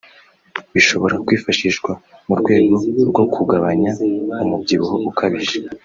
bishobora kwifashishwa mu rwego rwo kugabanya umubyibuho ukabije